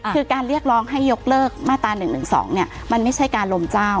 คือการเรียกร้องให้ยกเลิกมาตรา๑๑๒มันไม่ใช่การลมเจ้า